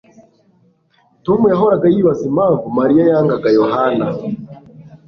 Tom yahoraga yibaza impamvu Mariya yangaga Yohana